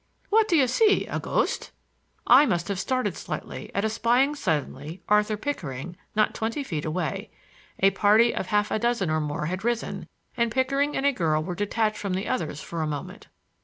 "What do you see—a ghost?" I must have started slightly at espying suddenly Arthur Pickering not twenty feet away. A party of half a dozen or more had risen, and Pickering and a girl were detached from the others for a moment.